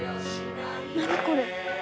何これ。